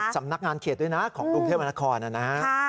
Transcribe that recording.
สำนักงานเขตด้วยนะของกรุงเทพมนครนะฮะ